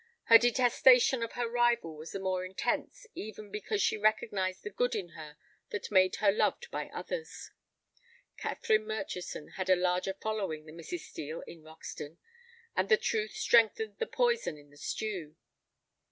Her detestation of her rival was the more intense even because she recognized the good in her that made her loved by others. Catherine Murchison had a larger following than Mrs. Steel in Roxton, and the truth strengthened the poison in the stew.